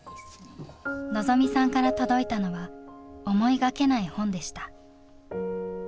望未さんから届いたのは思いがけない本でした。